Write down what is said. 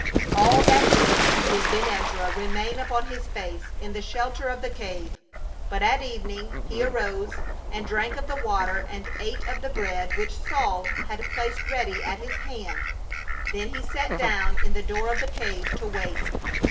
All that day did Ben Ezra remain upon his fece in the shelter of the cave, but at evening he arose and drank of the water and ate of the bread which Saul had placed ready at his hand, then he sat down in the door of the cave to wait.